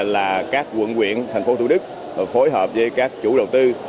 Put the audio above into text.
là các quận quyện thành phố thủ đức phối hợp với các chủ đầu tư